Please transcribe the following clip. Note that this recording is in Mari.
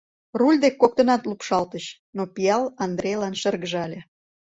Руль дек коктынат лупшалтыч, но пиал Андрейлан шыргыжале.